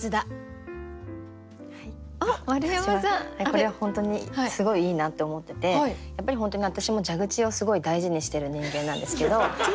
これは本当にすごいいいなって思っててやっぱり本当に私も蛇口をすごい大事にしてる人間なんですけど。